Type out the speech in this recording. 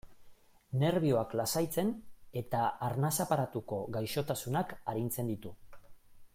Nerbioak lasaitzen eta arnas aparatuko gaixotasunak arintzen ditu.